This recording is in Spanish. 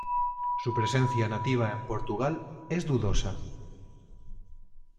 Su presencia nativa en Portugal es dudosa.